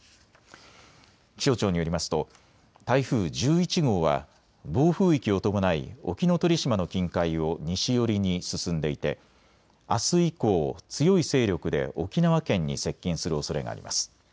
気象庁によりますと台風１１号は暴風域を伴い沖ノ鳥島の近海を西寄りに進んでいてあす以降、強い勢力で沖縄県に接近するおそれがあります。